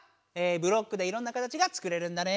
ブロックでいろんな形がつくれるんだね。